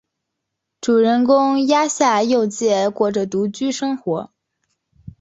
主人公鸭下佑介过着独居生活。